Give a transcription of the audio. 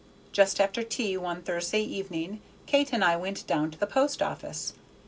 Just after tea, one Thursday evening, Kate and I went down to the post office.